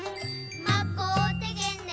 「まこてげんね